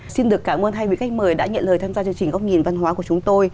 xin được cảm ơn hai vị khách mời đã nhận lời tham gia chương trình góc nhìn văn hóa của chúng tôi